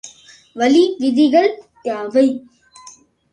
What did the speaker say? வளி விதிகள் யாவை?